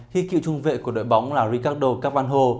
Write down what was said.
khi cựu trung vệ của đội bóng là ricardo capanho